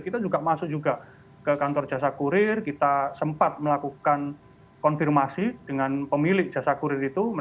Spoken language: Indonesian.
kita juga masuk juga ke kantor jasa kurir kita sempat melakukan konfirmasi dengan pemilik jasa kurir itu